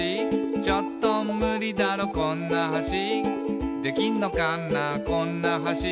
「ちょっとムリだろこんな橋」「できんのかなこんな橋」